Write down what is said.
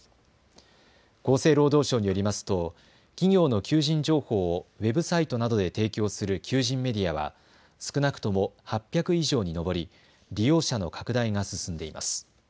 厚生労働省によりますと企業の求人情報をＷＥＢサイトなどで提供する求人メディアは少なくとも８００以上に上り利用者の拡大が進んでいます。